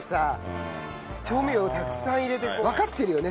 調味料たくさん入れてわかってるよね